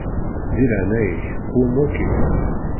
Di leɛnaya-k qwem waki.